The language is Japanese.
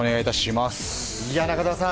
中澤さん